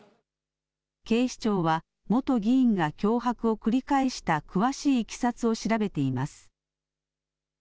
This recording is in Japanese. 警視庁は、元議員が脅迫を繰り返した詳しいいきさつを調べています。